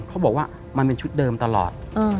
เขาบอกว่ามันเป็นชุดเดิมตลอด